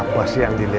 mas jangan lupa